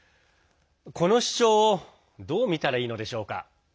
この主張をどう見たらいいのでしょうか。